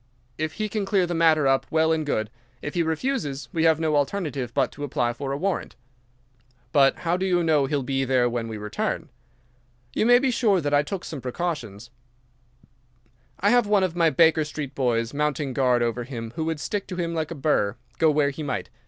If he can clear the matter up, well and good. If he refuses, we have no alternative but to apply for a warrant." "But how do you know he'll be there when we return?" "You may be sure that I took some precautions. I have one of my Baker Street boys mounting guard over him who would stick to him like a burr, go where he might.